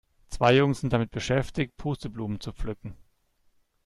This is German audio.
Zwei Jungen sind damit beschäftigt, Pusteblumen zu pflücken.